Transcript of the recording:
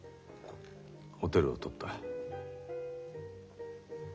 ホテルを取った。